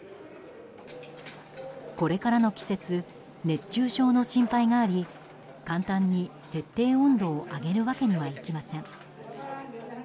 これからの季節熱中症の心配があり簡単に設定温度を上げるわけにはいきません。